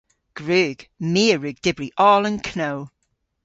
Gwrug. My a wrug dybri oll an know.